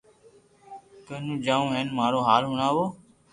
ڪنو جاو ھين مارو ھال ھڻاوو